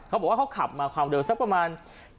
เขาบอกว่าเขาขับมาความเร็วสักประมาณ